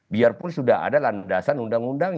biarpun sudah ada landasan undang undang